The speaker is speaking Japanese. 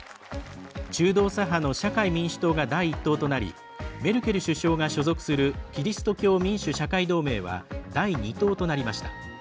中道左派の社会民主党が第１党となりメルケル首相が所属するキリスト教民主・社会同盟は第２党となりました。